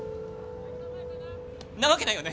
なわけないよね。